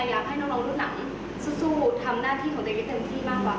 อยากให้น้องรุ่นน้ำสู้ทำหน้าที่ของเด็กให้เติมที่มากกว่าค่ะ